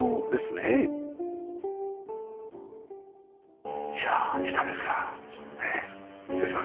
ねえ失礼します。